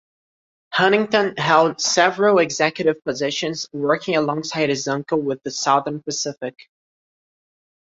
Huntington held several executive positions working alongside his uncle with the Southern Pacific.